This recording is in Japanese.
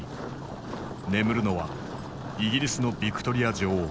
眠るのはイギリスのヴィクトリア女王。